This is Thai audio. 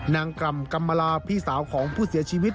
นางกรรมกัมมาลาพี่สาวของผู้เสียชีวิต